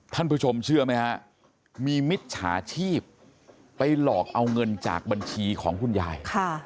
ท่านผู้ชมเชื่อไหมฮะมีมิจฉาชีพไปหลอกเอาเงินจากบัญชีของคุณยาย